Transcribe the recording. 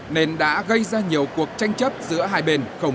nên đã gây ra nhiều cuộc tranh chấp giữa hai bên